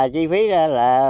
chi phí ra là